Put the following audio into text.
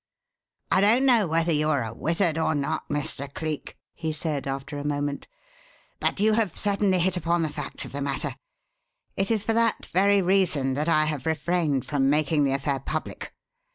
"I don't know whether you are a wizard or not, Mr. Cleek," he said, after a moment; "but you have certainly hit upon the facts of the matter. It is for that very reason that I have refrained from making the affair public.